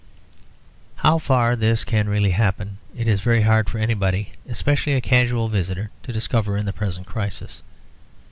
How far this can really happen it is very hard for anybody, especially a casual visitor, to discover in the present crisis.